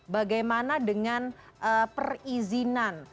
bagaimana dengan perizinan